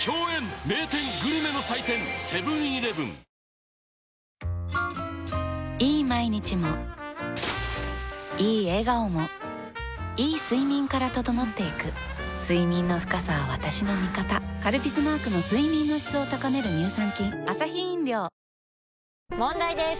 こちらもバカうまいいい毎日もいい笑顔もいい睡眠から整っていく睡眠の深さは私の味方「カルピス」マークの睡眠の質を高める乳酸菌問題です！